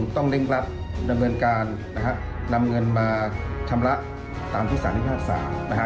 ต้องเร่งรักดำเนินการนำเงินมาทำละตามทุกษานิทยาศาสตร์